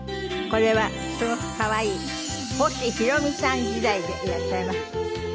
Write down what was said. これはすごく可愛い星ひろみさん時代でいらっしゃいます。